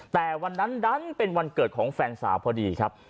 แต่วันนั้นดันเป็นวันเกิดของแฟนสาวพอดีครับ